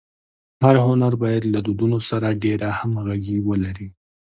هر هنر باید له دودونو سره ډېره همږغي ولري.